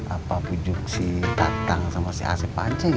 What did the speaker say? apa pujuk si tatang sama si ac panca gitu